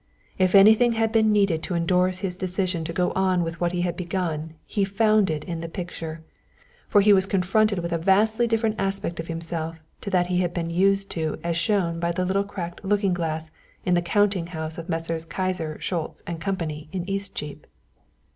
If anything had been needed to endorse his decision to go on with what he had begun he found it in the picture, for he was confronted with a vastly different aspect of himself to that he had been used to as shown by the little cracked looking glass in the counting house of Messrs. Kyser, Schultz & Company in Eastcheap.